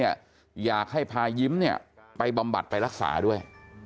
อยากให้พายิ้มไปบำบัดไปรักษาด้วย